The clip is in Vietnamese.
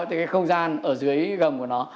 thì cái không gian ở dưới gầm của nó